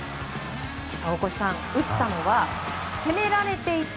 大越さん、打ったのは攻められていた